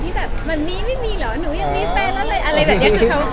ที่แบบมันมีไม่มีเหรอหนูยังมีแฟนแล้วอะไรแบบนี้